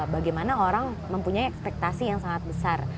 bagaimana orang mempunyai ekspektasi yang sangat besar